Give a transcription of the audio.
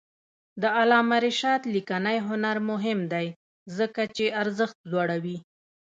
د علامه رشاد لیکنی هنر مهم دی ځکه چې ارزښت لوړوي.